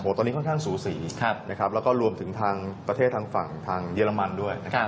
ตอนนี้ค่อนข้างสูสีแล้วก็รวมถึงทางประเทศทางฝั่งทางเยอรมันด้วยนะครับ